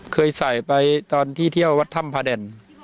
เคยใส่ไปตอนที่เที่ยววัดถ้ำพระแดน